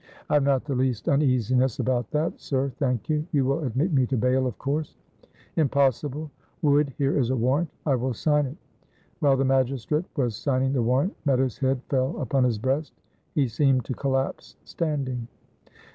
"I have not the least uneasiness about that, sir, thank you. You will admit me to bail, of course?" "Impossible! Wood, here is a warrant, I will sign it." While the magistrate was signing the warrant, Meadows' head fell upon his breast; he seemed to collapse standing.